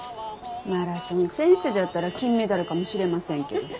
マラソン選手じゃったら金メダルかもしれませんけど。